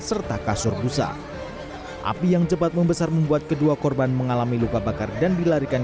serta kasur busa api yang cepat membesar membuat kedua korban mengalami luka bakar dan dilarikan